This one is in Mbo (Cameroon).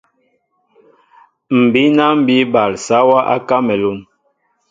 M̀ bíná mbí bal sáwā á Kámalûn.